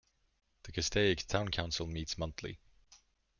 The Castaic Town Council meets monthly.